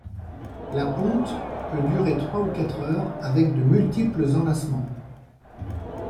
La ponte peut durer trois ou quatre heures, avec de multiples enlacements.